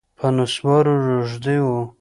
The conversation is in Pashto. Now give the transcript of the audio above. په نسوارو روږدی و